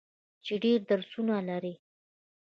چې ډیر درسونه لري.